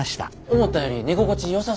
思ったより寝心地よさそうやん。